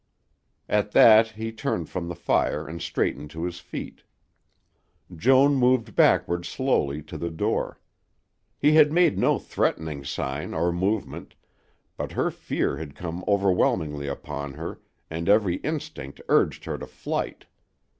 '" At that he turned from the fire and straightened to his feet. Joan moved backward slowly to the door. He had made no threatening sign or movement, but her fear had come overwhelmingly upon her and every instinct urged her to flight.